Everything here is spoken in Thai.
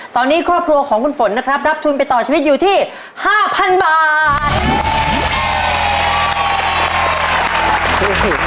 ตอนนี้ครอบครัวของคุณฝนนะครับรับทุนไปต่อชีวิตอยู่ที่๕๐๐๐บาท